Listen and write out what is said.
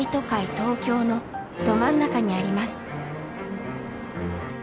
東京のど真ん中にあります。